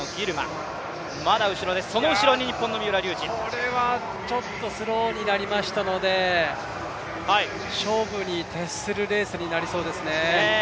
これはちょっとスローになりましたので勝負に徹するレースになりそうですね。